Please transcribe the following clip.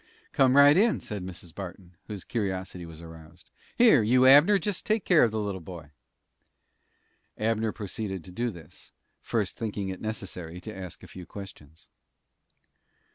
"Come right in," said Mrs. Barton, whose curiosity was aroused. "Here, you Abner, just take care of the little boy." Abner proceeded to do this, first thinking it necessary to ask a few questions.